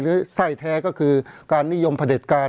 เพราะฉะนั้นประชาธิปไตยเนี่ยคือการยอมรับความเห็นที่แตกต่าง